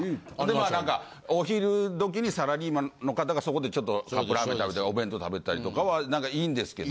まあ何かお昼時にサラリーマンの方がそこでちょっとカップラーメン食べたりお弁当食べたりとかは何かいいんですけど。